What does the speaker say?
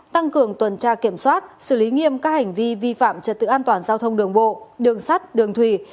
tăng cường tuần tra kiểm soát xử lý nghiêm các hành vi vi phạm trật tự an toàn giao thông đường bộ đường sắt đường thủy